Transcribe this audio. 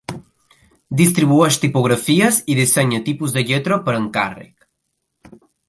Distribueix tipografies i dissenya tipus de lletra per encàrrec.